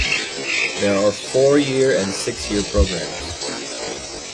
There are four-year and six-year programs.